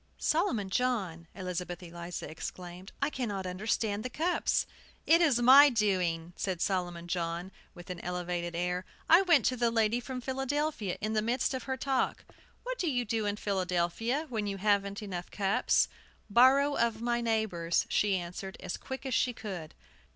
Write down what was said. "Solomon John!" Elizabeth Eliza exclaimed; "I cannot understand the cups!" "It is my doing," said Solomon John, with an elevated air. "I went to the lady from Philadelphia, in the midst of her talk. 'What do you do in Philadelphia, when you haven't enough cups?' 'Borrow of my neighbors,' she answered, as quick as she could."